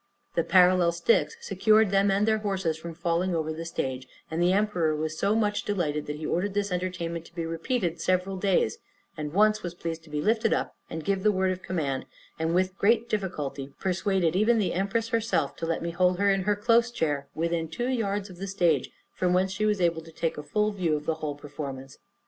The parallel sticks secured them and their horses from falling over the stage; and the emperor was so much delighted, that he ordered this entertainment to be repeated several days, and once was pleased to be lifted up, and give the word of command; and, with great difficulty, persuaded even the empress herself to let me hold her in her close chair within two yards of the stage, from whence she was able to take a full view of the whole performance.